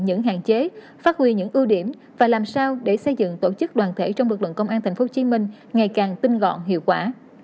những hạn chế phát huy những ưu điểm và làm sao để xây dựng tổ chức đoàn thể trong lực lượng công an tp hcm ngày càng tinh gọn hiệu quả